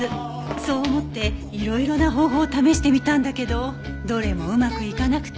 そう思っていろいろな方法を試してみたんだけどどれもうまくいかなくて。